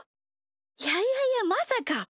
いやいやいやまさか。